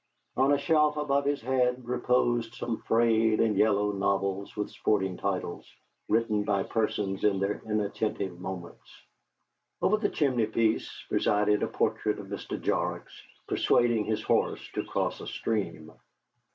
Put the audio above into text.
On a shelf above his head reposed some frayed and yellow novels with sporting titles, written by persons in their inattentive moments. Over the chimneypiece presided the portrait of Mr. Jorrocks persuading his horse to cross a stream.